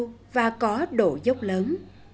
nên hẹp sâu và có độ dốc lớn